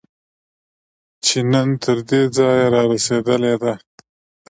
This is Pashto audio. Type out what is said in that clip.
چې نن تر دې ځایه رارسېدلې ده